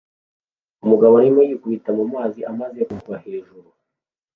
Umugabo arimo yikubita mu mazi amaze kugwa hejuru